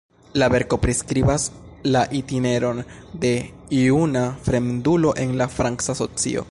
La verko priskribas la itineron de juna fremdulo en la franca socio.